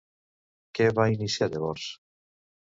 Què va iniciar llavors?